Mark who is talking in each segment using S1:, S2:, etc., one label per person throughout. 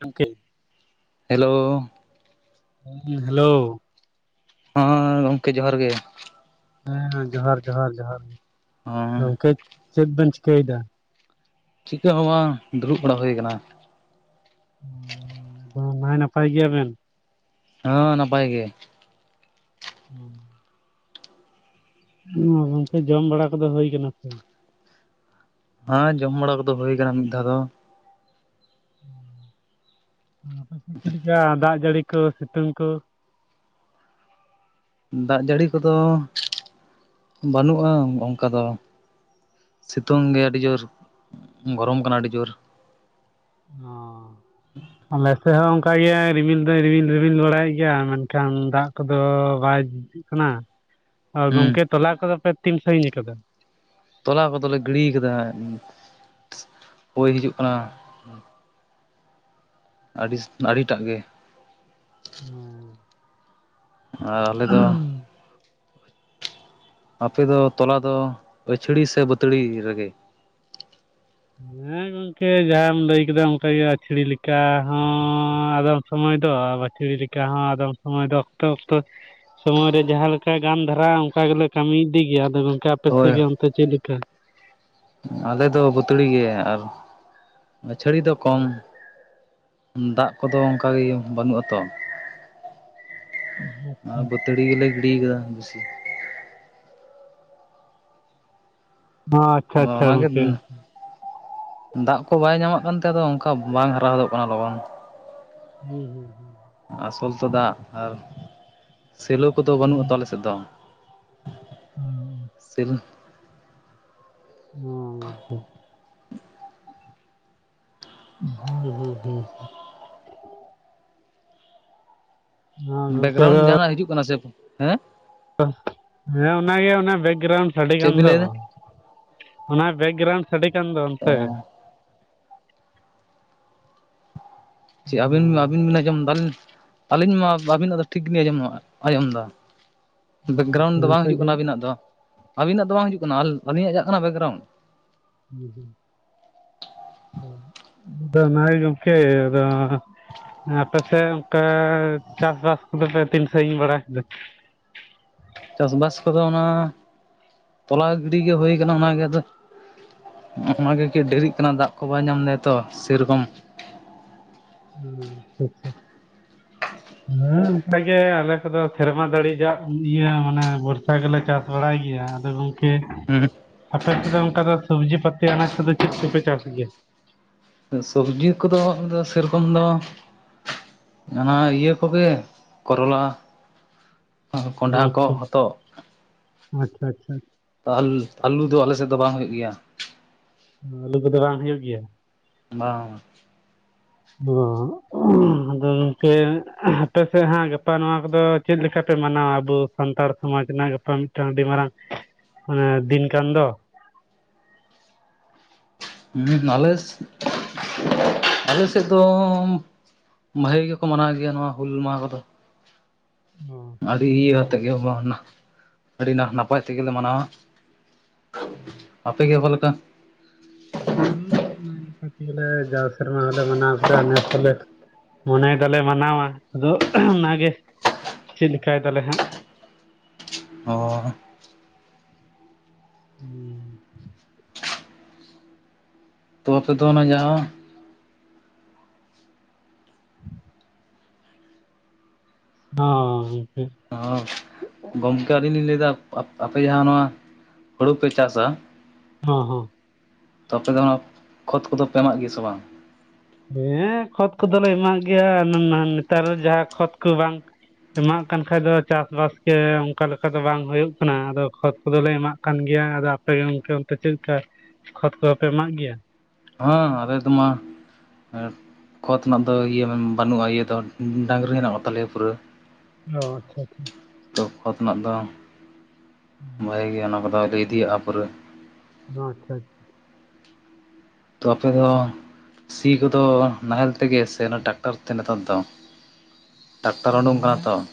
S1: ᱜᱚᱝᱠᱮ
S2: ᱦᱮᱞᱳ᱾
S1: ᱦᱮᱸ ᱦᱮᱞᱳᱣ᱾
S2: ᱦᱚᱸ ᱜᱚᱝᱠᱮ ᱡᱚᱦᱟᱨ ᱜᱮ᱾
S1: ᱦᱮᱸ ᱦᱮᱸ ᱡᱚᱦᱟᱨ ᱡᱚᱦᱟᱨ ᱡᱚᱦᱟᱨ,
S2: ᱦᱮᱸ
S1: ᱜᱚᱢᱠᱮ ᱪᱮᱫ ᱵᱮᱱ ᱪᱤᱠᱟᱹᱭ ᱫᱟ?
S2: ᱪᱤᱠᱟᱹ ᱦᱚᱸ ᱵᱟᱝ, ᱫᱩᱲᱩᱵ ᱵᱟᱲᱟ ᱦᱩᱭ ᱟᱠᱟᱱᱟ᱾
S1: [unintelligible] ᱱᱟᱭ ᱱᱟᱯᱟᱭ ᱜᱮᱭᱟ ᱵᱮᱱ᱾
S2: ᱦᱚᱸ ᱱᱟᱯᱟᱭ ᱜᱮ᱾
S1: ᱦᱩᱸ᱾ ᱜᱚᱝᱠᱮ ᱡᱚᱢ ᱵᱟᱲᱟ ᱠᱚᱫᱚ ᱦᱩᱭ ᱠᱟᱱᱟ ᱥᱮ
S2: ᱦᱮᱸ ᱡᱚᱢ ᱵᱟᱲᱟ ᱠᱚᱫᱚ ᱦᱩᱭ ᱠᱟᱱᱟ ᱢᱤᱫ ᱫᱷᱟᱣ ᱫᱚ᱾
S1: ᱟᱯᱮ ᱥᱮᱫ ᱪᱮᱫ ᱞᱮᱠᱟ ᱫᱟᱜ ᱡᱟᱹᱲᱤ ᱠᱚ ᱥᱤᱛᱩᱝ ᱠᱚ᱾
S2: ᱫᱟᱜ ᱡᱟᱹᱲᱤ ᱠᱚᱫᱚ, ᱵᱟᱹᱱᱩᱜᱼᱟ ᱚᱝᱠᱟ ᱫᱚ᱾ ᱥᱮᱛᱩᱝ ᱜᱮ ᱟᱹᱰᱤ ᱡᱩᱨ, ᱜᱚᱨᱚᱢ ᱠᱟᱱᱟ ᱟᱹᱰᱤ ᱡᱩᱨ᱾
S1: ᱦᱚᱸ [unintelligible] ᱥᱮᱫ ᱦᱚᱸ ᱚᱝᱠᱟ ᱜᱮ ᱨᱤᱢᱤᱞ ᱫᱚᱭ ᱨᱤᱢᱤᱞ ᱨᱤᱢᱤᱞ ᱵᱟᱲᱟᱭᱮᱫ ᱜᱮᱭᱟ, ᱢᱮᱱᱠᱷᱟᱱ ᱫᱟᱜ ᱠᱚᱫᱚ ᱵᱟᱭ ᱠᱟᱱᱟ᱾
S2: ᱦᱮᱸ
S1: ᱜᱚᱢᱠᱮ ᱛᱚᱞᱟ ᱠᱚᱫᱚ ᱯᱮ ᱛᱤᱱ ᱥᱟᱺᱜᱤᱧ ᱟᱠᱟᱫᱟ?
S2: ᱛᱚᱞᱟ ᱠᱚᱫᱚ ᱞᱮ ᱜᱤᱲᱤ ᱠᱟᱫᱟ, ᱦᱚᱭ ᱦᱤᱡᱩᱜ ᱠᱟᱱᱟ᱾ ᱟᱹᱰᱤᱥ ᱟᱹᱰᱤ ᱴᱟᱜ ᱜᱮ᱾
S1: ᱚᱸ᱾
S2: ᱟᱨ ᱟᱞᱮ ᱫᱚ ᱟᱯᱮ ᱫᱚ ᱛᱚᱞᱟ ᱫᱚ ᱟᱹᱪᱷᱲᱤ ᱥᱮ ᱵᱟᱹᱛᱲᱤ ᱨᱮᱜᱮ?
S1: ᱦᱮᱸ ᱜᱚᱝᱠᱮ ᱡᱟᱦᱟᱸᱢ ᱞᱟᱹᱭ ᱠᱮᱫᱟ ᱚᱱᱠᱟ ᱜᱮ ᱟᱹᱪᱷᱟᱹᱲᱤ ᱞᱮᱠᱟ ᱦᱚᱸᱻ ᱟᱫᱚᱢ ᱥᱚᱢᱚᱭ ᱫᱚ ᱵᱟᱹᱪᱷᱲᱤ ᱞᱮᱠᱟ ᱦᱚᱸ ᱟᱫᱚᱢ ᱥᱚᱢᱚᱭ ᱫᱚ ᱚᱠᱛᱚ ᱚᱠᱛᱚ ᱥᱚᱢᱚᱭ ᱨᱮ ᱡᱟᱦᱟᱸ ᱞᱮᱠᱟ ᱜᱟᱱ ᱫᱷᱟᱨᱟᱼᱟ ᱚᱱᱠᱟ ᱜᱮᱞᱮ ᱠᱟᱹᱢᱤ ᱤᱫᱤ ᱜᱮᱭᱟ᱾ ᱟᱫᱚ ᱜᱚᱝᱠᱮ ᱟᱯᱮ ᱥᱮᱫ
S2: ᱦᱳᱭ
S1: ᱜᱮ ᱚᱱᱛᱮ ᱪᱮᱫ ᱞᱮᱠᱟ?
S2: ᱟᱞᱮ ᱫᱚ ᱵᱟᱹᱛᱲᱤ ᱜᱮ, ᱟᱨ ᱪᱷᱟᱹᱲᱤ ᱫᱚ ᱠᱚᱢ᱾ ᱫᱟᱜ ᱠᱚᱫᱚ ᱚᱱᱠᱟᱜᱮ ᱵᱟᱹᱱᱩᱜ-ᱟ ᱛᱚ᱾ ᱟᱨ
S1: ᱟᱪᱪᱷᱟ ᱦᱚᱸ
S2: ᱵᱟᱹᱛ ᱛᱟᱹᱲᱤ ᱜᱮᱞᱮ ᱜᱤᱰᱤ ᱠᱟᱫᱟ ᱵᱤᱥᱤ᱾
S1: ᱟᱪᱪᱷᱟ
S2: ᱚ
S1: ᱟᱪᱪᱷᱟ
S2: ᱚᱱᱟᱜᱮ
S1: ᱜᱚᱝᱠᱮ
S2: [unintelligible] ᱫᱟᱜ ᱠᱚ ᱵᱟᱭ ᱧᱟᱢᱟᱜ ᱠᱟᱱ ᱛᱮ ᱟᱫᱚ ᱚᱱᱠᱟ ᱵᱟᱝ ᱦᱟᱨᱟ ᱦᱚᱫᱚᱜ ᱠᱟᱱᱟ ᱞᱚᱜᱚᱱ᱾
S1: ᱦᱩᱸ ᱦᱩᱸ ᱦᱩᱸ᱾
S2: ᱟᱥᱚᱞ ᱛᱚ ᱫᱟᱜ ᱟᱨ ᱥᱤᱞᱩ ᱠᱚᱫᱚ ᱵᱟᱹᱱᱩᱜᱼᱟ ᱛᱚ ᱟᱞᱮ ᱥᱮᱫ ᱫᱚ᱾ ᱥᱤᱞ
S1: [unintelligible] ᱦᱩᱸ ᱦᱩᱸ ᱦᱩᱸ᱾ ᱜᱚᱝᱠᱮ ᱟᱫᱚ
S2: ᱵᱮᱠᱜᱨᱟᱩᱱᱰ ᱡᱟᱦᱟᱸᱱᱟᱜ ᱦᱤᱡᱩᱜ ᱠᱟᱱᱟ ᱥᱮ᱾ ᱦᱮᱸ
S1: ᱦᱮᱸ ᱚᱱᱟᱜᱮ ᱚᱱᱟ ᱵᱮᱠᱜᱨᱟᱣᱩᱱᱰ ᱥᱟᱰᱮ
S2: ᱪᱮᱫ
S1: ᱠᱟᱱ
S2: ᱵᱤᱱ
S1: ᱫᱚ,
S2: ᱞᱟᱹᱭ ᱮᱫᱟ
S1: ᱚᱱᱟ ᱵᱮᱠᱜᱨᱟᱣᱩᱱᱰ ᱥᱟᱰᱮ ᱠᱟᱱ ᱫᱚ ᱚᱱᱛᱮ
S2: ᱚ ᱪᱮᱫ ᱟᱹᱵᱤᱱ ᱢᱟ ᱟᱹᱵᱤᱱ
S1: ᱦᱩᱸ
S2: ᱵᱤᱱ ᱟᱸᱡᱚᱢ ᱫᱟᱧ [unintelligible] ᱟᱹᱞᱤᱧ ᱢᱟ ᱟᱹᱵᱤᱱᱟᱜ ᱫᱚ ᱴᱷᱤᱠ ᱜᱤᱞᱤᱧ ᱟᱸᱡᱚᱢᱼᱟ ᱟᱸᱡᱚᱢ ᱫᱟ᱾ ᱵᱮᱠᱜᱨᱟᱩᱱᱰ ᱫᱚ
S1: ᱦᱩᱸ
S2: ᱵᱟᱝ
S1: ᱚᱱᱛᱮ
S2: ᱦᱤᱡᱩᱜ
S1: ᱜᱮ
S2: ᱠᱟᱱᱟ
S1: ᱦᱩᱸ
S2: ᱟᱹᱵᱤᱱᱟᱜ ᱫᱚ᱾ ᱟᱹᱵᱤᱱᱟᱜ ᱫᱚ ᱵᱟᱝ ᱦᱤᱡᱩᱜ ᱠᱟᱱᱟ, ᱟᱞᱹᱞᱤᱧᱟᱜ ᱪᱟᱜ ᱠᱟᱱᱟ ᱵᱮᱠᱜᱨᱟᱩᱱᱰ?
S1: ᱛᱚ ᱚᱱᱟᱜᱮ ᱜᱚᱢᱠᱮ ᱟᱫᱚ ᱟᱯᱮᱥᱮᱫ ᱚᱱᱠᱟ ᱪᱟᱥᱵᱟᱥ ᱠᱚᱫᱚ ᱯᱮ ᱛᱤᱱ ᱥᱟᱹᱜᱤᱧ ᱵᱟᱲᱟ ᱠᱮᱫᱟ?
S2: ᱪᱟᱥᱵᱟᱥ ᱠᱚᱫᱚ ᱚᱱᱟ, ᱛᱚᱞᱟ ᱜᱤᱰᱤ ᱜᱮ ᱦᱩᱭ ᱠᱟᱱᱟ ᱚᱱᱟᱜᱮ ᱟᱫᱚ ᱚᱱᱟᱜᱤ ᱠᱮ ᱰᱤᱨᱤᱜ ᱠᱟᱱᱟ ᱫᱟᱜ ᱠᱚ ᱵᱟᱭ ᱧᱟᱢ ᱫᱟᱭ ᱛᱚ ᱥᱮᱨᱚᱠᱚᱢ᱾
S1: ᱦᱩᱸ, ᱟᱪᱪᱷᱟ ᱟᱪᱪᱷᱟ᱾
S2: [inaudible]
S1: ᱦᱮᱸ ᱚᱱᱠᱟ ᱜᱮ ᱟᱞᱮ ᱠᱚ ᱫᱚ ᱥᱮᱨᱢᱟ ᱫᱟᱹᱲᱤ ᱡᱟᱜ ᱤᱭᱟᱹ ᱢᱟᱱᱮ ᱵᱚᱨᱥᱟ ᱜᱮᱞᱮ ᱪᱟᱥ ᱵᱟᱲᱟᱭ ᱜᱮᱭᱟ ᱟᱫᱚ ᱜᱚᱝᱠᱮ
S2: [unintelligible]
S1: ᱟᱯᱮ ᱥᱮᱫ ᱚᱱᱠᱟ ᱫᱚ ᱥᱚᱵᱽᱡᱤ ᱯᱟᱹᱛᱤ ᱟᱱᱟᱡ ᱠᱚᱫᱚ ᱪᱮᱫ ᱠᱚᱯᱮ ᱪᱟᱥ ᱜᱮᱭᱟ?
S2: ᱥᱚᱵᱽᱡᱤ ᱠᱚᱫᱚ ᱟᱫᱚ ᱥᱮᱨᱚᱠᱚᱢ ᱫᱚ ᱚᱱᱟ ᱤᱭᱟᱹ ᱠᱚᱜᱮ ᱠᱚᱨᱚᱞᱟ ᱠᱚᱸᱰᱷᱟ ᱠᱚ
S1: ᱟᱪᱪᱷᱟ
S2: ᱦᱚᱛᱚᱜ
S1: ᱟᱪᱪᱷᱟ ᱟᱪᱪᱷᱟ
S2: [unintelligible] ᱟᱞᱩ ᱫᱚ ᱟᱞᱮ ᱥᱮᱫ ᱫᱚ ᱵᱟᱝ ᱦᱩᱭᱩᱜ ᱜᱮᱭᱟ ᱾
S1: ᱟᱞᱩ ᱠᱚᱫᱚ ᱵᱟᱝ ᱦᱩᱭᱩᱜ ᱜᱮᱭᱟ?
S2: ᱵᱟᱝ ᱵᱟᱝ ᱾
S1: ᱚ, [unintelligible] ᱟᱫᱚ ᱜᱚᱝᱠᱮ ᱟᱯᱮ ᱥᱮᱫ ᱦᱟᱸᱜ ᱜᱟᱯᱟ ᱱᱚᱣᱟ ᱠᱚᱫᱚ ᱪᱮᱫ ᱞᱮᱠᱟ ᱯᱮ ᱢᱟᱱᱟᱣᱟ? ᱟᱵᱚ ᱥᱟᱱᱛᱟᱲ ᱥᱚᱢᱟᱡᱽ ᱨᱮᱱᱟᱜ ᱜᱟᱯᱟ ᱢᱤᱫᱴᱟᱝ ᱟᱹᱰᱤ ᱢᱟᱨᱟᱝ ᱢᱟᱱᱮ ᱫᱤᱱ ᱠᱟᱱ ᱫᱚ ᱾
S2: ᱦᱩᱸ ᱟᱞᱮ ᱟᱞᱮ ᱥᱮᱫ ᱫᱚ ᱵᱷᱟᱜᱮ ᱜᱮᱠᱚ ᱢᱟᱱᱟᱣ ᱜᱮᱭᱟ ᱱᱚᱣᱟ ᱦᱩᱞ ᱢᱟᱦᱟ ᱠᱚᱫᱚ ᱾
S1: ᱚ
S2: ᱟᱹᱰᱤ ᱤᱭᱟᱹ ᱟᱛᱮ ᱜᱮ ᱢᱟ ᱱᱟ ᱟᱹᱰᱤ ᱱᱟᱯᱟᱭ ᱛᱮᱜᱮ ᱞᱮ ᱢᱟᱱᱟᱣᱟ ᱾ ᱟᱯᱮ ᱜᱮ ᱚᱠᱟ ᱞᱮᱠᱟ?
S1: ᱱᱟᱭ ᱱᱟᱯᱟᱭ ᱛᱮᱜᱮ ᱞᱮ ᱡᱟᱣ ᱥᱮᱨᱢᱟ ᱦᱚᱞᱮ ᱢᱟᱱᱟᱣ ᱠᱮᱫᱟ, ᱱᱮᱥ ᱦᱚᱸᱞᱮ ᱢᱚᱱᱮᱭ ᱫᱟᱞᱮ ᱢᱟᱱᱟᱣᱟ ᱟᱫᱚ ᱚᱱᱟᱜᱮ ᱪᱮᱫ ᱞᱮᱠᱟᱭ ᱫᱟᱞᱮ ᱦᱟᱸᱜ ᱾
S2: ᱚ ᱾
S1: ᱦᱩᱸ ᱾
S2: ᱛᱚ ᱟᱯᱮ ᱫᱚ ᱚᱱᱟ ᱡᱟᱦᱟᱸ
S1: ᱦᱚᱸ ᱜᱚᱝᱠᱮ ᱾
S2: ᱦᱚᱸ, ᱜᱚᱢᱠᱮ ᱟᱹᱞᱤᱧ ᱞᱤᱧ ᱞᱮᱭᱫᱟ ᱟᱯ ᱟᱯᱮ ᱡᱟᱦᱟᱸ ᱱᱚᱣᱟ ᱦᱳᱲᱳ ᱯᱮ ᱪᱟᱥᱟ
S1: ᱦᱚᱸ ᱦᱚᱸ ᱾
S2: ᱛᱚ ᱟᱯᱮ ᱫᱚ ᱚᱱᱟ ᱠᱷᱚᱛ ᱠᱚᱫᱚ ᱯᱮ ᱮᱢᱟᱜ ᱜᱮᱭᱟ ᱥᱮ ᱵᱟᱝ?
S1: ᱦᱮᱸ ᱠᱷᱚᱛ ᱠᱚᱫᱚ ᱞᱮ ᱮᱢᱟᱜ ᱜᱮᱭᱟ [unintelligible] ᱱᱮᱛᱟᱨ ᱡᱟᱦᱟᱸ ᱠᱷᱚᱛ ᱠᱚ ᱵᱟᱝ ᱮᱢᱟᱜ ᱠᱟᱱ ᱠᱷᱟᱡ ᱫᱚ ᱪᱟᱥ ᱵᱟᱥ ᱜᱮ ᱚᱱᱠᱟ ᱞᱮᱠᱟ ᱫᱚ ᱵᱟᱝ ᱦᱩᱭᱩᱜ ᱠᱟᱱᱟ, ᱟᱫᱚ ᱠᱷᱚᱛ ᱠᱚᱫᱚ ᱞᱮ ᱮᱢᱟᱜ ᱠᱟᱱ ᱜᱮᱭᱟ ᱟᱫᱚ ᱟᱯᱮ ᱜᱮ ᱜᱚᱝᱠᱮ ᱚᱱᱛᱮ ᱪᱮᱫ ᱞᱮᱠᱟ ᱠᱷᱚᱛ ᱠᱚᱫᱚ ᱯᱮ ᱮᱢᱟᱜ ᱜᱮᱭᱟ?
S2: ᱦᱚᱸ ᱟᱞᱮ ᱫᱚ ᱢᱟ ᱠᱷᱚᱛ ᱨᱮᱱᱟᱜ ᱫᱚ ᱤᱭᱟᱹ ᱵᱟᱹᱱᱩᱜᱼᱟ ᱤᱭᱟᱹ ᱫᱚ ᱰᱟᱹᱝᱨᱤ ᱦᱮᱱᱟᱜ ᱠᱚᱛᱟᱞᱮᱭᱟ ᱯᱩᱨᱟᱹ ᱾
S1: ᱚ ᱟᱪᱪᱷᱟ ᱟᱪᱪᱷᱟ ᱾
S2: ᱛᱚ ᱠᱷᱚᱛ ᱱᱟᱜ ᱫᱚ,
S1: ᱦᱩᱸ,
S2: ᱵᱷᱟᱜᱮ ᱜᱮᱭᱟ ᱚᱱᱟ ᱠᱚᱫᱚ ᱟᱫᱚ ᱤᱫᱤᱭᱤᱭᱟᱜᱼᱟ ᱯᱩᱨᱟᱹ ᱾
S1: [unintelligible]
S2: ᱛᱚ ᱟᱯᱮ ᱫᱚ ᱥᱤ ᱠᱚᱫᱚ ᱱᱟᱦᱮᱞ ᱛᱮᱜᱮ ᱥᱮ ᱚᱱᱟ ᱴᱟᱠᱴᱟᱨ ᱛᱮ ᱱᱮᱛᱟᱨ ᱫᱚ? ᱴᱟᱠᱴᱟᱨ ᱳᱰᱳᱝ ᱠᱟᱱᱟ ᱛᱚ ᱾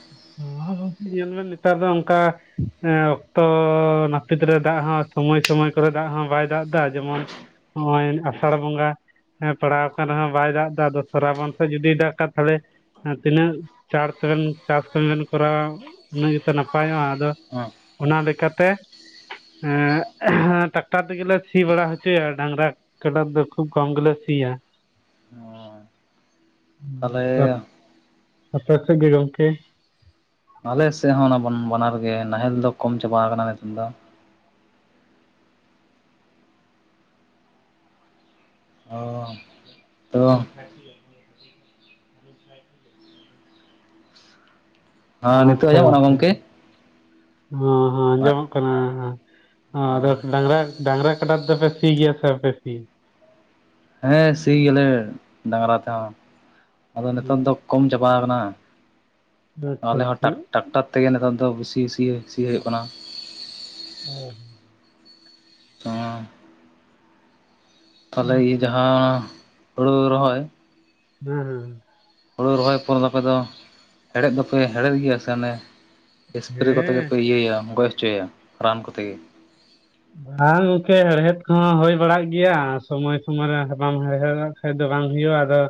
S1: ᱦᱚ ᱜᱚᱝᱠᱮ ᱧᱮᱞ ᱵᱮᱱ ᱱᱮᱛᱟᱨ ᱫᱚ ᱚᱱᱠᱟ ᱮ ᱚᱠᱛᱚ ᱱᱟᱹᱯᱤᱛ ᱨᱮ ᱫᱟᱜ ᱦᱚᱸ ᱥᱚᱢᱚᱭ ᱥᱚᱢᱚᱭ ᱠᱚᱨᱮ ᱫᱟᱜ ᱦᱚᱸ ᱵᱟᱭ ᱫᱟᱜ ᱫᱟ ᱡᱮᱢᱚᱱ ᱦᱚᱜᱼᱚᱭ ᱟᱥᱟᱲ ᱵᱚᱸᱜᱟ ᱦᱮᱸ ᱯᱟᱲᱟᱣ ᱠᱟᱱ ᱨᱮᱦᱚᱸ ᱵᱟᱭ ᱫᱟᱜ ᱫᱟ, ᱟᱫᱚ ᱥᱚᱨᱟᱵᱚᱱ ᱥᱮᱫ ᱡᱩᱫᱤ ᱫᱟᱜ ᱠᱟᱡ ᱛᱟᱦᱚᱞᱮ ᱛᱤᱱᱟᱹᱜ ᱪᱟᱲ ᱛᱮᱵᱮᱱ ᱪᱟᱥ ᱠᱟᱢᱤᱵᱮᱱ ᱠᱚᱨᱟᱣᱟ ᱩᱱᱟᱹᱜ ᱜᱮᱛᱚ ᱱᱟᱯᱟᱭᱚᱜᱼᱟ ᱟᱫᱚ
S2: ᱦᱮᱸ
S1: ᱚᱱᱟ ᱞᱮᱠᱟᱛᱮ ᱮᱸ ᱴᱟᱠᱴᱟᱨ ᱛᱮᱜᱮ ᱞᱮ ᱥᱤ ᱵᱟᱲᱟ ᱦᱚᱪᱚᱭᱟ ᱰᱟᱝᱨᱟ ᱠᱟᱵᱟ ᱛᱮ ᱫᱚ ᱠᱷᱩᱵ ᱠᱚᱢ ᱜᱮᱞᱮ ᱥᱤᱭᱟ ᱾
S2: ᱚ ᱾
S1: [unintelligible] ᱟᱯᱮ ᱥᱮᱫ ᱜᱮ ᱜᱚᱝᱠᱮ?
S2: ᱟᱞᱮ ᱥᱮᱫ ᱦᱚᱸ ᱚᱱᱟ ᱵᱚᱱ ᱵᱟᱱᱟᱨ ᱜᱮ ᱱᱟᱦᱮᱞ ᱫᱚ ᱠᱚᱢ ᱪᱟᱵᱟ ᱠᱟᱱᱟ ᱱᱤᱛᱚᱜ ᱫᱚ ᱾ ᱚᱻ ᱛᱚ ᱦᱮᱸ ᱱᱤᱛᱚᱜ
S1: ᱟᱪᱪᱷᱟ
S2: ᱟᱸᱡᱚᱢᱚᱜ ᱠᱟᱱᱟ
S1: ᱜᱚᱝᱠᱮ,
S2: ᱜᱚᱢᱠᱮ
S1: ᱦᱮᱸ ᱦᱮᱸ ᱟᱸᱡᱚᱢᱚᱜ ᱠᱟᱱᱟ, ᱟᱫᱚ
S2: ᱚ
S1: ᱰᱟᱝᱨᱟ ᱰᱟᱝᱨᱟ ᱠᱟᱰᱟ ᱛᱮᱫᱚ ᱯᱮ ᱥᱤ ᱜᱮᱭᱟ ᱥᱮ ᱵᱟᱯᱮ ᱥᱤᱭᱟ?
S2: ᱦᱮᱸ ᱥᱤᱭ ᱜᱮᱞᱮ ᱰᱟᱝᱨᱟ ᱛᱮᱦᱚᱸ ᱟᱫᱚ ᱱᱮᱛᱚᱝ
S1: ᱦᱩᱸ
S2: ᱫᱚ ᱠᱚᱢ ᱪᱟᱵᱟᱣ ᱠᱟᱱᱟ,
S1: ᱟᱪᱪᱷᱟ
S2: ᱟᱞᱮ ᱦᱚᱸ
S1: ᱟᱪᱪᱷᱟ
S2: ᱴᱟᱠ ᱴᱟᱠᱴᱟᱨ ᱛᱮᱜᱮ ᱱᱮᱛᱟᱨ ᱫᱚ ᱵᱤᱥᱤ ᱥᱤ ᱥᱤ ᱦᱩᱭᱩᱜ ᱠᱟᱱᱟ᱾
S1: [unintelligible]
S2: ᱛᱚᱸᱻᱼᱼ ᱛᱟᱦᱚᱞᱮ ᱤᱭᱟᱹ
S1: ᱟᱪᱪᱷᱟ
S2: ᱡᱟᱦᱟᱸ ᱦᱳᱲᱳ ᱨᱚᱦᱚᱭᱼᱼ
S1: ᱦᱩᱸ ᱦᱩᱸ᱾
S2: ᱦᱩᱲᱩ ᱨᱚᱦᱚᱭ ᱯᱚᱨ ᱫᱚ ᱟᱯᱮ ᱫᱚ ᱦᱮᱲᱮᱫ ᱫᱚᱯᱮ ᱦᱮᱲᱮᱫ ᱜᱮᱭᱟ ᱥᱮ ᱚᱱᱮᱼᱼ
S1: ᱦᱮᱸ
S2: ᱮᱥᱯᱨᱮ ᱠᱚᱛᱮ
S1: ᱦᱮᱸ ᱦᱮᱸ
S2: ᱜᱮᱯᱮ ᱤᱭᱟᱹᱭᱟ ᱜᱚᱡ ᱦᱚᱪᱚᱭᱟ ᱨᱟᱱ ᱠᱚᱛᱮ ᱜᱮ᱾
S1: ᱵᱟᱝ ᱜᱚᱝᱠᱮ ᱦᱮᱲᱦᱮᱫ ᱠᱚᱦᱚᱸ ᱦᱩᱭ ᱵᱟᱲᱟᱜ ᱜᱮᱭᱟ ᱥᱚᱢᱚᱭ ᱥᱚᱢᱚᱭ ᱨᱮ ᱵᱟᱢ ᱦᱮᱲᱦᱮᱫᱽ ᱼᱼ ᱠᱷᱟᱡ ᱫᱚ ᱵᱟᱝ ᱦᱩᱭᱩᱜ-ᱟ ᱟᱫᱚᱼᱼ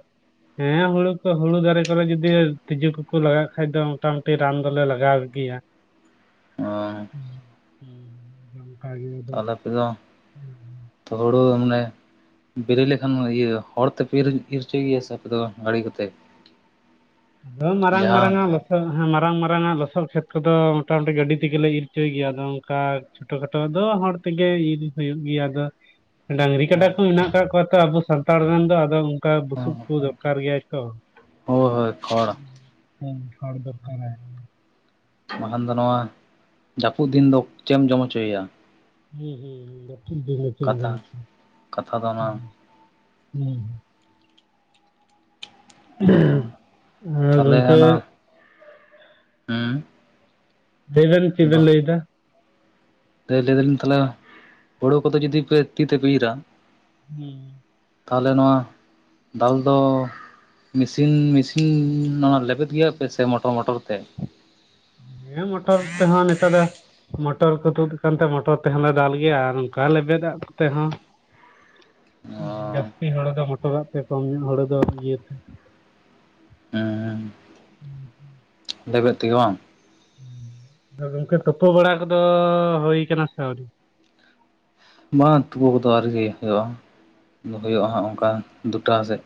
S1: ᱦᱮᱸ ᱦᱩᱲᱩ ᱠᱚ ᱦᱩᱲᱩ ᱫᱟᱨᱮ ᱠᱚᱨᱮ ᱡᱩᱫᱤ ᱛᱤᱡᱩ ᱠᱚᱠᱚ ᱞᱟᱜᱟᱜ ᱠᱷᱟᱡ ᱫᱚ ᱢᱚᱴᱟᱼᱢᱩᱴᱤ ᱨᱟᱱ ᱫᱚᱞᱮ ᱞᱟᱜᱟᱣ ᱜᱤᱭᱟ᱾
S2: ᱦᱚᱭ᱾
S1: ᱦᱩᱸ ᱱᱚᱝᱠᱟ ᱜᱮ ᱟᱫᱚᱼᱼ [inaudible]
S2: ᱛᱮᱫᱚᱸᱼᱼ [inaudible]
S1: ᱦᱩᱸᱻ᱾ [inaudible]
S2: ᱛᱚ ᱦᱩᱲᱩ ᱢᱚᱱᱮᱼᱼ ᱵᱮᱨᱮ ᱞᱮᱠᱷᱟᱱ ᱤᱭᱟᱹ ᱦᱚᱲ ᱛᱮᱯᱮ ᱤᱨ ᱤᱨ ᱩᱪᱩᱭ ᱜᱮᱭᱟ ᱥᱮ ᱟᱯᱮ ᱫᱚ ᱜᱟᱲᱤ ᱠᱟᱛᱮ?
S1: ᱟᱫᱚ ᱢᱟᱨᱟᱝ ᱢᱟᱨᱟᱝᱟᱜᱼᱼ ᱫᱚ ᱦᱮᱸ ᱢᱟᱨᱟᱝ ᱢᱟᱨᱟᱝᱟᱜ ᱞᱚᱥᱚᱛ ᱠᱷᱮᱛ ᱠᱚᱫᱚ ᱢᱚᱴᱟ ᱢᱩᱴᱤ ᱜᱟᱹᱰᱤ ᱛᱤᱜᱤ ᱞᱮ ᱤᱨ ᱪᱩᱭ ᱜᱮᱭᱟ ᱟᱫᱚ ᱚᱱᱠᱟᱼᱼ ᱠᱷᱟᱴᱚ ᱠᱷᱟᱴᱚ ᱫᱚ ᱦᱚᱲ ᱛᱮᱜᱮ ᱤᱨ ᱦᱩᱭᱩᱜ ᱜᱮᱭᱟ ᱟᱫᱚᱼᱼᱼ ᱰᱟᱝᱨᱤ ᱠᱟᱰᱟ ᱠᱚ ᱢᱮᱱᱟᱜ ᱟᱠᱟᱜ ᱠᱚᱣᱟ ᱛᱚ ᱟᱵᱚ ᱥᱟᱱᱛᱟᱲ ᱨᱮᱱ ᱫᱚ ᱟᱫᱚ ᱩᱱᱠᱟ ᱵᱩᱥᱩᱵ ᱠᱚ ᱫᱚᱨᱠᱟᱨ ᱜᱮᱭᱟᱭ ᱛᱚ᱾
S2: ᱦᱳᱭ ᱦᱳᱭ ᱠᱷᱚᱲᱼᱼ
S1: ᱦᱮᱸ ᱠᱷᱚᱲ ᱫᱟ ᱠᱟᱨᱮ ᱼᱼ [unintelligible]
S2: ᱵᱟᱝᱠᱷᱟᱱ ᱫᱚ ᱱᱚᱣᱟ ᱡᱟᱯᱩᱜ ᱫᱤᱱ ᱫᱚ ᱪᱮᱜ ᱮᱢ ᱡᱚᱢ ᱚᱪᱚᱭᱭᱟ᱾
S1: ᱦᱩᱸ ᱦᱩᱸ ᱡᱟᱹᱯᱩᱜ ᱫᱤᱱ ᱫᱚ ᱪᱮᱜ ᱮᱢ
S2: ᱠᱟᱛᱷᱟ
S1: ‌ᱡᱚᱢ
S2: ᱠᱟᱛᱷᱟ ᱫᱚ ᱚᱱᱟ
S1: ᱚᱪᱚᱮᱭ‌ᱟ, ᱦᱩᱸ ᱦᱩᱸ᱾ [inaudible] ᱟᱨ
S2: ᱛᱷᱟᱞᱮ
S1: ᱜᱚᱝᱠᱮ
S2: ᱚᱱᱟ ᱩᱸᱼᱼᱼ
S1: ᱞᱟᱹᱭ ᱵᱤᱱ ᱪᱮᱜ ᱵᱤᱱ ᱞᱟᱹᱭ ᱫᱟ?
S2: ᱛᱟᱹᱭ ᱞᱟᱹᱭ ᱫᱟᱹᱞᱤᱧ ᱛᱟᱦᱚᱞᱮ ᱦᱳᱲᱳ ᱠᱚᱫᱚ ᱡᱩᱫᱤ ᱯᱮ ᱛᱤ ᱛᱮᱯᱮ ᱤᱨᱟᱼᱼ
S1: ᱦᱩᱸ᱾
S2: ᱛᱟᱦᱚᱞᱮ ᱱᱚᱣᱟ ᱫᱟᱞ ᱫᱚᱼᱼᱼ ᱢᱤᱥᱤᱱ ᱢᱤᱥᱤᱱ ᱱᱚᱶᱟ ᱞᱮᱵᱮᱫᱽ ᱜᱮᱭᱟ ᱯᱮ ᱥᱮ ᱢᱚᱴᱚᱨ ᱢᱚᱴᱚᱨ ᱛᱮ?
S1: ᱦᱮᱸ ᱢᱚᱴᱚᱨ ᱛᱮᱦᱟᱸ ᱱᱮᱛᱟᱨ ᱫᱚᱼᱼ ᱢᱚᱴᱚᱨ ᱠᱚ ᱛᱩᱫᱽ ᱟᱠᱟᱱ ᱛᱮ ᱢᱚᱴᱚᱨ ᱛᱮᱦᱚᱸ ᱞᱮ ᱫᱟᱞ ᱜᱮᱭᱟ ᱟᱨ ᱚᱱᱠᱟ ᱞᱮᱵᱮᱫᱟᱜ ᱠᱚᱛᱮ ᱦᱚᱸ᱾
S2: [unintelligible]
S1: ᱡᱟᱥᱛᱤ ᱦᱚᱲ ᱫᱚ ᱢᱚᱴᱚᱨᱟᱜ ᱛᱮ ᱠᱚᱢ ᱧᱚᱜ ᱦᱚᱲ ᱫᱚ ᱤᱭᱟᱹ ᱛᱮᱼᱼ
S2: ᱦᱮᱸᱻ ᱞᱮᱵᱮᱜ ᱛᱮᱜᱮ ᱵᱟᱝ᱾
S1: ᱫᱚ ᱜᱚᱝᱠᱮ ᱛᱩᱯᱩ ᱵᱟᱲᱟ ᱠᱚᱫᱚ ᱦᱚᱭ ᱠᱟᱱᱟ ᱥᱮ ᱟᱹᱣᱨᱤᱭᱟ?
S2: ᱵᱟᱝᱟ ᱛᱩᱯᱩ ᱠᱚᱫᱚ ᱟᱣᱨᱤ ᱦᱩᱭ ᱦᱩᱭᱩᱜ-ᱟ ᱫᱚ ᱦᱩᱭᱩᱜ-ᱟ ᱦᱟᱸᱜ ᱚᱝᱠᱟ ᱫᱩ ᱴᱟ ᱥᱮᱛ᱾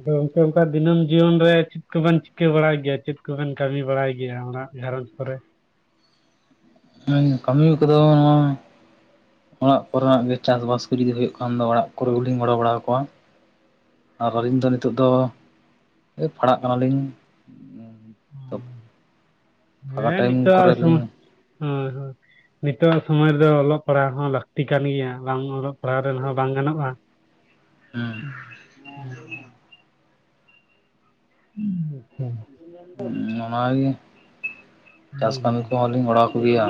S1: ᱟᱫᱚ ᱜᱚᱝᱠᱮ ᱚᱱᱠᱟ ᱫᱤᱱᱟᱹᱢ ᱡᱤᱭᱚᱱ ᱨᱮ ᱪᱤᱫ ᱠᱩᱵᱮᱱ ᱪᱤᱠᱟᱹ ᱵᱟᱲᱟᱭ ᱜᱮᱭᱟ ᱪᱮᱫ ᱠᱚᱵᱮᱱ ᱠᱟᱢᱤ ᱵᱟᱲᱟᱭ ᱜᱮᱭᱟ ᱚᱱᱟᱼᱼ ᱜᱷᱟᱨᱚᱸᱡ ᱠᱚᱨᱮ?
S2: ᱦᱮᱸ ᱠᱟᱹᱢᱤ ᱠᱚᱫᱚ ᱼᱼ ᱚᱲᱟᱜ ᱠᱚᱨᱮ ᱱᱟᱜ ᱜᱮ ᱪᱟᱥ ᱵᱟᱥ ᱠᱚ ᱡᱩᱫᱤ ᱦᱩᱭᱩᱜ ᱠᱷᱟᱱ ᱫᱚ ᱚᱲᱟᱜ ᱠᱚᱨᱮ ᱜᱮᱞᱤᱧ ᱜᱚᱲᱚ ᱵᱟᱲᱟᱣ ᱠᱚᱣᱟ᱾ ᱟᱨ ᱟᱹᱞᱤᱧ ᱫᱚ ᱱᱤᱛᱚᱜ ᱫᱚ ᱳᱭ ᱯᱟᱲᱦᱟᱜ ᱠᱟᱱᱟ ᱞᱤᱧᱼᱼ ᱯᱷᱟᱸᱠᱟ
S1: ᱦᱮᱸ
S2: ᱴᱟᱭᱤᱢ
S1: ᱱᱤᱛᱚᱜ ᱟᱜ
S2: ᱠᱚᱨᱮ
S1: ᱥᱚᱢᱚᱼᱹ
S2: ᱞᱤᱧ
S1: ᱦᱚᱸᱭ ᱦᱚᱸᱭ ᱱᱤᱛᱚᱜ ᱟᱜ ᱥᱚᱢᱚᱭ ᱨᱮᱫᱚ ᱚᱞᱚᱜ ᱯᱟᱲᱦᱟᱜ ᱦᱚᱸ ᱞᱟᱠᱛᱤ ᱠᱟᱱ ᱜᱮᱭᱟ ᱵᱟᱝ ᱚᱞᱚᱜ ᱼᱼ ᱯᱟᱲᱟᱣ ᱨᱮᱱ ᱦᱚᱸ ᱵᱟᱝ ᱜᱟᱱᱚᱜ-ᱟ, ᱦᱩᱸ ᱦᱚᱸ᱾ [unintelligible] ᱦᱩᱸ ᱟᱪᱷᱟ᱾
S2: ᱩᱸ ᱚᱱᱟ ᱜᱮ ᱪᱟᱥ ᱠᱟᱢᱤ ᱠᱚᱦᱚᱸ ᱞᱤᱧ ᱵᱟᱲᱟᱣ ᱠᱚ ᱜᱮᱭᱟ᱾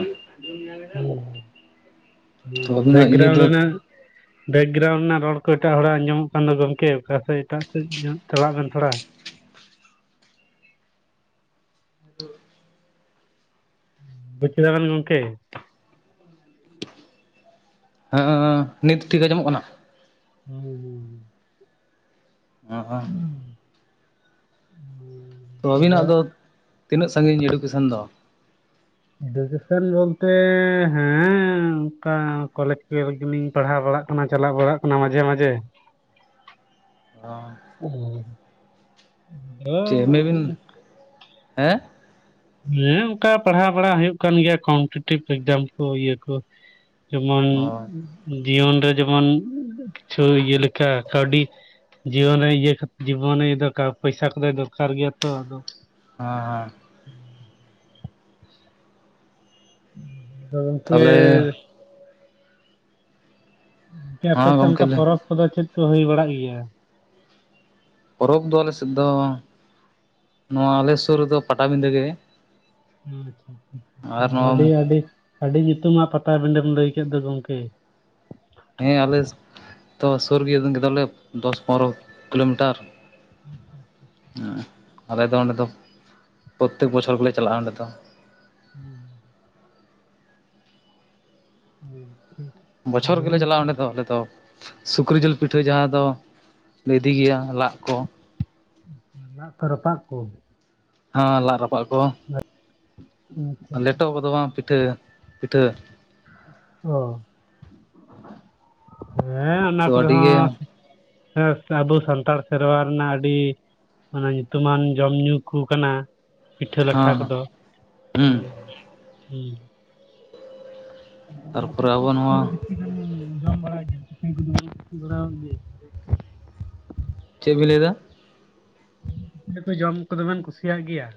S2: ᱛᱚ ᱟᱵᱤᱱᱟᱜ ᱤᱭᱟᱹ ᱫᱚ ᱾
S1: ᱵᱮᱠᱜᱮᱨᱟᱩᱱᱰ ᱨᱮᱱᱟᱜ ᱨᱚᱲ ᱠᱚ ᱮᱴᱟᱜ ᱦᱚᱲᱟ ᱟᱸᱡᱚᱜ ᱠᱟᱱ ᱫᱚ ᱜᱚᱝᱠᱮ ᱚᱠᱟ ᱥᱮ ᱮᱴᱟᱜ ᱥᱮᱫ ᱪᱟᱞᱟᱜ ᱵᱮᱱ ᱛᱷᱚᱲᱟ ᱾
S2: [inaudible]
S1: ᱵᱩᱪ ᱠᱮᱫᱟᱠᱮᱱ ᱜᱚᱢᱚᱝᱠᱮ [unintelligible]
S2: ᱦᱮᱸ ᱱᱤᱛ ᱴᱷᱤᱠ ᱟᱸᱡᱚᱢᱚᱜ ᱠᱟᱱᱟ ᱾
S1: ᱦᱩᱸ ᱦᱩᱸ ᱾
S2: [inaudible] ᱛᱚ
S1: ᱟᱫᱚ
S2: ᱟᱹᱵᱤᱱᱟᱜ ᱫᱚ ᱛᱤᱱᱟᱹᱜ ᱥᱟᱺᱜᱤᱧ ᱮᱰᱩᱠᱮᱥᱚᱱ ᱫᱚ?
S1: ᱮᱰᱩᱠᱮᱥᱚᱱ ᱵᱚᱞ ᱛᱮ ᱦᱮᱸ᱾ ᱚᱱᱠᱟ ᱠᱚᱞᱮᱡᱽ ᱠᱚ ᱞᱤᱧ ᱯᱟᱲᱦᱟᱣ ᱵᱟᱲᱟᱜ ᱠᱟᱱᱟ᱾ ᱪᱟᱞᱟᱜ ᱵᱟᱲᱟᱜ ᱠᱟᱱᱟ ᱢᱟᱡᱷᱮ ᱢᱟᱡᱷᱮ᱾
S2: ᱚ
S1: ᱚ
S2: ᱪᱮᱫ ᱢᱮᱵᱤᱱ ᱦᱮᱸ᱾
S1: ᱦᱮᱸ ᱚᱱᱠᱟ ᱯᱟᱲᱦᱟᱣ ᱵᱟᱲᱟ ᱦᱩᱭᱩᱜ ᱠᱟᱱ ᱜᱮᱭᱟ᱾ ᱠᱚᱢᱯᱤᱴᱤᱴᱤᱵᱷ ᱮᱠᱡᱟᱢ ᱠᱚ ᱤᱭᱟᱹ ᱠᱚ᱾ ᱡᱮᱢᱚᱱ
S2: ᱚ
S1: ᱡᱤᱭᱚᱱ ᱨᱮ ᱡᱮᱢᱚᱱ ᱠᱤᱪᱷᱩ ᱤᱭᱟᱹ ᱞᱮᱠᱟ ᱠᱟᱹᱣᱰᱤ ᱡᱤᱭᱚᱱ ᱨᱮ ᱤᱭᱟᱹ ᱡᱤᱵᱚᱱᱮ ᱫᱚ ᱯᱚᱭᱥᱟ ᱠᱚᱫᱚ ᱫᱚᱨᱠᱟᱨ ᱜᱮᱭᱟ ᱛᱚ᱾ ᱟᱫᱚ
S2: ᱦᱮᱸ ᱦᱮᱸ
S1: ᱛᱚ ᱜᱚᱢᱠᱮ
S2: ᱛᱟᱦᱚᱞᱮ ᱦᱮᱸ
S1: ᱟᱯᱮᱥᱮᱫ
S2: ᱜᱚᱢᱠᱮ
S1: ᱚᱱᱠᱟ
S2: ᱞᱟᱹᱭ
S1: ᱯᱚᱨᱚᱵᱽ ᱠᱚᱫᱚ ᱪᱮᱫ ᱠᱚ ᱦᱩᱭ ᱵᱟᱲᱟᱜ ᱜᱮᱭᱟ?
S2: ᱯᱚᱨᱚᱵᱽ ᱫᱚ ᱟᱞᱮ ᱥᱮᱫ ᱫᱚ ᱱᱚᱣᱟ ᱟᱞᱮ ᱥᱩᱨ ᱨᱮᱫᱚ ᱯᱟᱴᱟᱵᱤᱫᱟᱹ ᱜᱮ᱾ ᱟᱨ
S1: ᱟᱹᱰᱤ
S2: ᱱᱚᱣᱟ
S1: ᱟᱹᱰᱤ ᱟᱹᱰᱤ ᱧᱩᱛᱩᱢᱟᱜ ᱯᱟᱴᱵᱤᱰᱟᱹᱢ ᱞᱟᱹᱭ ᱠᱮᱫ ᱫᱚ ᱜᱚᱢᱠᱮ᱾
S2: ᱦᱮᱸ ᱟᱞᱮ ᱛᱚ ᱥᱩᱨ ᱜᱮ ᱠᱮ ᱫᱟᱞᱮ ᱫᱚᱥ ᱯᱚᱱᱨᱚ ᱠᱤᱞᱳᱢᱤᱴᱟᱨ᱾
S1: [unintelligible]
S2: ᱦᱮᱸ ᱟᱞᱮ ᱫᱚ ᱚᱸᱰᱮ ᱫᱚ ᱯᱨᱚᱛᱮᱠ ᱵᱚᱪᱷᱚᱨ ᱜᱮᱞᱮ ᱪᱟᱞᱟᱜᱼᱟ, ᱚᱸᱰᱮ ᱫᱚ᱾
S1: [inaudible] [inaudible]
S2: ᱵᱚᱪᱷᱚᱨ ᱜᱮᱞᱮ ᱪᱟᱞᱟᱜᱼᱟ᱾ ᱚᱸᱰᱮ ᱫᱚ ᱟᱞᱮ ᱫᱚ ᱥᱩᱠᱨᱤ ᱡᱤᱞ ᱯᱤᱴᱷᱟᱹ ᱡᱟᱦᱟᱸ ᱫᱚ᱾ ᱞᱮ ᱤᱫᱤ ᱜᱮᱭᱟ ᱞᱟᱜ ᱠᱚ᱾
S1: ᱨᱟᱯᱟ ᱠᱚ᱾
S2: ᱦᱮᱸ ᱞᱟᱫ ᱨᱟᱯᱟᱜ ᱠᱚ᱾
S1: [inaudible]
S2: ᱞᱮᱴᱚ ᱠᱚᱫᱚ ᱵᱟᱝ ᱯᱤᱴᱷᱟᱹ ᱯᱤᱴᱷᱟᱹ᱾
S1: ᱚᱸ ᱦᱮᱸ ᱚᱱᱟ
S2: ᱛᱚ
S1: ᱠᱚᱫᱚ
S2: ᱟᱹᱰᱤ ᱜᱮ
S1: ᱦᱚᱸ᱾ ᱦᱮᱸ ᱟᱵᱚ ᱥᱟᱱᱛᱟᱲ ᱥᱮᱨᱣᱟ ᱨᱮᱱᱟᱜ ᱟᱹᱰᱤ ᱧᱩᱛᱩᱢᱟᱱ ᱡᱚᱢ ᱧᱩ ᱠᱚ ᱠᱟᱱᱟ᱾ ᱯᱤᱴᱷᱟᱹ ᱞᱟᱴᱷᱟ
S2: ᱦᱮᱸ
S1: ᱠᱚᱫᱚ
S2: ᱦᱩᱸ
S1: ᱦᱮᱸ ᱦᱮᱸ᱾
S2: ᱛᱟᱨᱯᱚᱨᱮ ᱟᱵᱚ ᱱᱚᱣᱟ
S1: ᱜᱟᱱ ᱡᱚᱢ ᱵᱟᱲᱟᱭ ᱜᱮᱭᱟ ᱵᱟᱲ ᱜᱮ?
S2: ᱪᱮᱫ ᱵᱤᱱ ᱞᱟᱹᱭ ᱮᱫᱟ?
S1: ᱪᱮ ᱠᱚ ᱡᱚᱢ ᱠᱚᱫᱚ ᱵᱮᱱ ᱠᱩᱥᱤᱭᱟᱜ ᱜᱮᱭᱟ?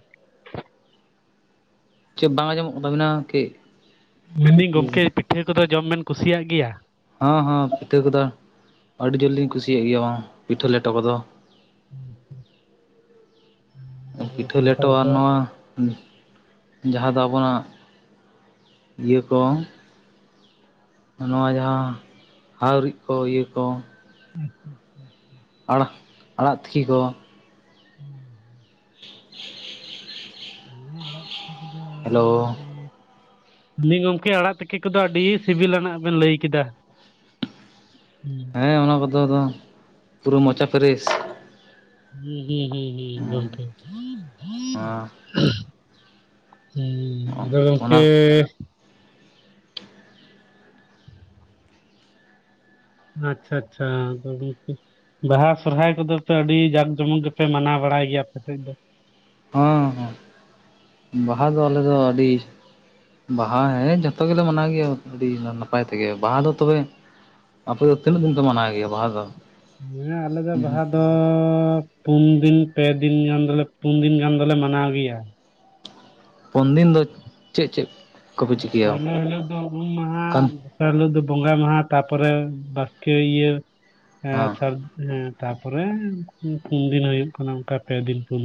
S2: ᱪᱮᱫ ᱵᱟᱝ ᱟᱸᱡᱚᱢᱚᱜ ᱛᱟᱵᱤᱱᱟ ᱜᱚᱢᱠᱮ?
S1: ᱢᱮᱱᱫᱟᱹᱧ ᱜᱚᱢᱠᱮ ᱯᱤᱴᱷᱟᱹ ᱠᱚᱫᱚ ᱡᱚᱢ ᱵᱮᱱ ᱠᱩᱥᱤᱭᱟᱜ ᱜᱮᱭᱟ?
S2: ᱦᱮᱸ ᱦᱮᱸ ᱯᱤᱴᱷᱟᱹ ᱠᱚᱫᱚ ᱟᱹᱰᱤ ᱡᱳᱨᱞᱤᱧ ᱠᱩᱥᱤᱭᱟᱜ ᱜᱮᱭᱟ ᱵᱟᱝ ᱯᱤᱴᱷᱟᱹ ᱞᱮᱴᱚ ᱠᱚᱫᱚ᱾
S1: [inaudible] ᱟᱵᱚ
S2: ᱯᱤᱴᱷᱟᱹ
S1: ᱥᱟᱱᱛᱟᱲ
S2: ᱞᱮᱴᱚᱼᱟ᱾
S1: ᱠᱚᱣᱟᱜ
S2: ᱱᱚᱣᱟ ᱡᱟᱦᱟᱸ ᱫᱚ ᱟᱵᱚᱱᱟᱜ ᱤᱭᱟᱹ ᱠᱚ᱾ ᱱᱚᱣᱟ ᱡᱟᱦᱟᱸ ᱦᱟᱣᱨᱤᱡ ᱠᱚ ᱤᱭᱟᱹ ᱠᱚ᱾
S1: [inaudible]
S2: ᱟᱲᱟᱜ ᱟᱲᱟᱜ ᱛᱤᱠᱤ ᱠᱚ᱾
S1: [inaudible] ᱱᱚᱣᱟ ᱟᱲᱟᱜ ᱛᱤᱠᱤ ᱠᱚᱫᱚ
S2: ᱦᱮᱞᱳᱻ᱾
S1: ᱫᱤᱭᱮ ᱜᱚᱝᱠᱮ ᱟᱲᱟᱜ ᱛᱤᱠᱤ ᱠᱚᱫᱚ ᱟᱹᱰᱤᱻ ᱥᱤᱵᱤᱞᱟ ᱱᱟᱜ ᱵᱮᱱ ᱞᱟᱹᱭ ᱠᱮᱫᱟ᱾ [unintelligible]
S2: ᱦᱮᱸ ᱚᱱᱟ ᱠᱚᱫᱚ ᱟᱫᱚ, ᱯᱩᱨᱟᱹ ᱢᱚᱪᱟ ᱯᱷᱮᱨᱮᱥ᱾
S1: ᱦᱩᱸ, ᱦᱩᱸ, ᱦᱩᱸ, ᱦᱩᱸ ᱦᱩᱸ ᱦᱩᱸ ᱦᱩᱸᱻ ᱟᱫᱚ
S2: ᱚᱱᱟ
S1: ᱜᱚᱝᱠᱮᱻ ᱟᱪᱪᱷᱟ ᱟᱪᱪᱷᱟ ᱟᱫᱚ ᱜᱚᱝᱠᱮ [inaudible] ᱵᱟᱦᱟ ᱥᱨᱦᱟᱭ ᱠᱚᱫᱚ ᱯᱮ ᱟᱹᱰᱤ ᱡᱟᱠ ᱡᱚᱢᱚᱠ ᱜᱮᱯᱮ ᱢᱟᱱᱟᱣ ᱵᱟᱲᱟᱭ ᱜᱮᱭᱟ ᱟᱯᱮ ᱥᱮᱫ ᱫᱚ᱾
S2: ᱦᱸ ᱦᱸ, ᱵᱟᱦᱟ ᱫᱚ ᱟᱞᱮ ᱫᱚ ᱟᱹᱰᱤ ᱵᱟᱦᱟ ᱦᱮᱸ ᱡᱚᱛᱚ ᱜᱮᱞᱮ ᱢᱟᱱᱟᱣ ᱜᱮᱭᱟ ᱟᱹᱰᱤ ᱱᱟᱯᱟᱭ ᱛᱮᱜᱮ, ᱵᱟᱦᱟ ᱫᱚ ᱛᱚᱵᱮ ᱟᱯᱮ ᱫᱚ ᱛᱤᱱᱹ ᱫᱤᱱ ᱯᱮ ᱢᱟᱱᱣ ᱜᱮᱭᱟ ᱵᱟᱦᱟ ᱫᱚ?
S1: ᱦᱮᱸ ᱟᱞᱮ ᱫᱚ ᱵᱟᱦᱟ ᱫᱚᱻ ᱯᱩᱱ ᱫᱤᱱ ᱯᱮ ᱫᱤᱱ ᱜᱟᱱ ᱫᱚᱞᱮ ᱯᱩᱱ ᱫᱤᱱ ᱜᱟᱱ ᱫᱚᱞᱮ ᱢᱟᱱᱟᱣ ᱜᱮᱭᱟ᱾
S2: ᱯᱚᱱ ᱫᱤᱱ ᱫᱚ, ᱪᱮ ᱪᱮᱫ? ᱠᱚᱯᱮ ᱪᱤᱠᱟᱹᱭᱟ
S1: ᱯᱳᱭᱞᱳ ᱦᱤᱞᱳᱜ ᱫᱚ ᱩᱢ ᱢᱟᱦᱟ᱾
S2: ᱠᱟᱱ
S1: ᱫᱚᱥᱟᱨ ᱦᱚᱞᱟᱹᱜ ᱫᱚ ᱵᱚᱸᱜᱟ ᱢᱟᱦᱟ, ᱛᱟᱯᱚᱨᱮ ᱵᱟᱥᱠᱮ ᱤᱭᱟᱹ
S2: ᱦᱮᱸ
S1: ᱥᱟᱹᱨ ᱦᱩᱸ ᱛᱟᱯᱚᱨᱮ ᱯᱩᱱ ᱫᱤᱱ ᱦᱩᱭᱩᱜ ᱠᱟᱱᱟ ᱚᱱᱠᱟ ᱯᱮ ᱫᱤᱱ ᱯᱩᱱ